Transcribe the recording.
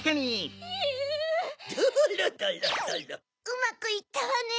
うまくいったわね。